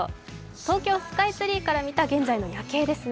東京スカイツーから見た現在の夜景ですね。